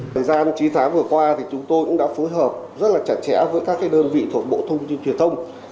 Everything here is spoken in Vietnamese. thời gian chín tháng vừa qua thì chúng tôi cũng đã phối hợp rất là chặt chẽ với các đơn vị thuộc bộ thông tin truyền thông